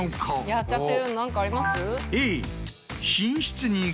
やっちゃってるの何かあります？